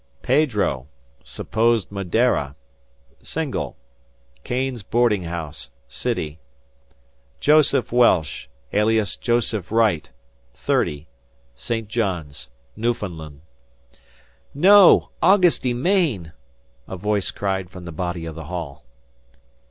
"Pedro, supposed Madeira, single, Keene's boardinghouse. City. "Joseph Welsh, alias Joseph Wright, 30, St. John's, Newfoundland." "No Augusty, Maine," a voice cried from the body of the hall.